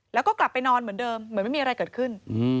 แล้วก็กลับไปนอนเหมือนเดิมเหมือนไม่มีอะไรเกิดขึ้น